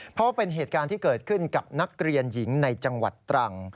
เพราะว่าเป็นเหตุการณ์ที่เกิดขึ้นกับนักเรียนหญิงในจังหวัดตรัง